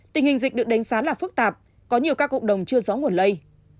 tình hình dịch được đánh xá là phức tạp có nhiều ca cộng đồng chưa rõ nguồn lây